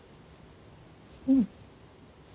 うん。